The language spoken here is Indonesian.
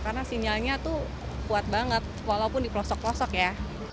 karena sinyalnya tuh kuat banget walaupun dipelosok pelosok ya